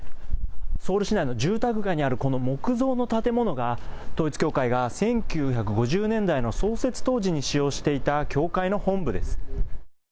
ソウル市内の住宅街にあるこの木造の建物が、統一教会が１９５０年代の創設当時に使用していた教会の本部です。